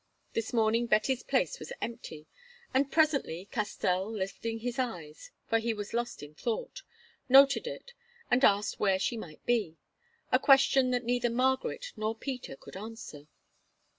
This morning Betty's place was empty, and presently Castell, lifting his eyes, for he was lost in thought, noted it, and asked where she might be—a question that neither Margaret nor Peter could answer.